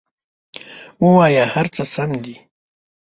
ووایه هر څه سم دي!